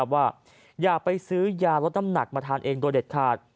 ว่าอย่าไปซื้อยาลดน้ำหนักมาทานเองโดยเด็ดขาด